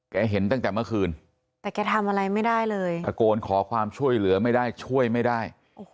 เห็นตั้งแต่เมื่อคืนแต่แกทำอะไรไม่ได้เลยตะโกนขอความช่วยเหลือไม่ได้ช่วยไม่ได้